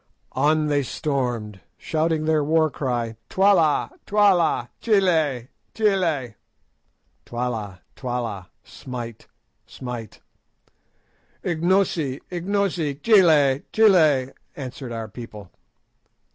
On they stormed, shouting their war cry, "Twala! Twala! Chiele! Chiele!" (Twala! Twala! Smite! Smite!) "Ignosi! Ignosi! Chiele! Chiele!" answered our people.